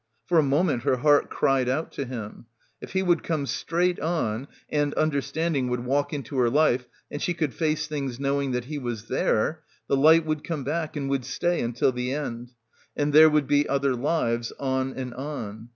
For a moment her heart cried out to him. If he would come straight on and, understanding, would walk into her life and she could face things knowing that he was there, the light would come back and — 172 — BACKWATER would stay until the end — and there would be other lives, on and on.